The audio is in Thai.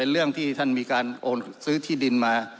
เรื่องที่ท่านมีการโอนซื้อที่ดินมา